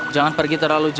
jangan pergi terlalu jauh